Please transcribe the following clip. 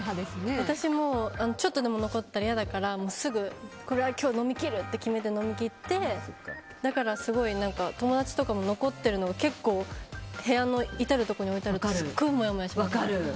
ちょっとでも残ってたら嫌だからすぐこれは今日、飲み切るって決めて飲み切ってだからすごい友達とかも残ってるのが結構、部屋の至るところに置いてあるとすごいもやもやします。